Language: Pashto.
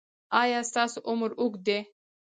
ایا ستاسو عمر اوږد دی؟